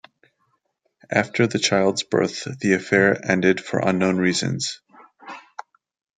After the child's birth, the affair ended for unknown reasons.